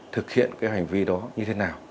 thực hiện hành vi đó như thế nào